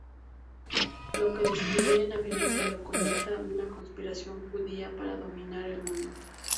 Los que la distribuyen afirman que documenta una conspiración judía para dominar el mundo.